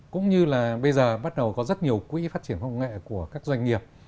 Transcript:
cũng như là bây giờ bắt đầu có rất nhiều quỹ phát triển công nghệ của các doanh nghiệp